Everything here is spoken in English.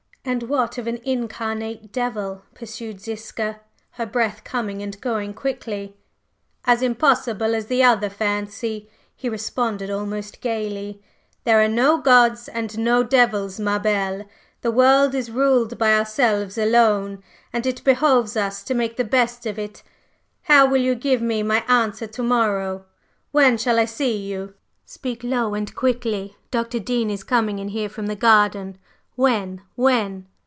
"And what of an incarnate devil?" pursued Ziska, her breath coming and going quickly. "As impossible as the other fancy!" he responded almost gayly. "There are no gods and no devils, ma belle! The world is ruled by ourselves alone, and it behoves us to make the best of it. How will you give me my answer to morrow? When shall I see you? Speak low and quickly, Dr. Dean is coming in here from the garden: when when?"